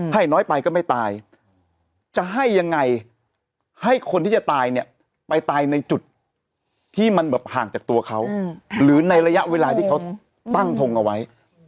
ให้น้อยไปก็ไม่ตายจะให้ยังไงให้คนที่จะตายเนี่ยไปตายในจุดที่มันแบบห่างจากตัวเขาหรือในระยะเวลาที่เขาตั้งทงเอาไว้